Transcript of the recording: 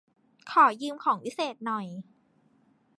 ขอยืมของวิเศษหน่อย